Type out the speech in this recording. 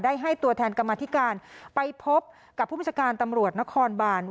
ให้ตัวแทนกรรมธิการไปพบกับผู้บัญชาการตำรวจนครบาน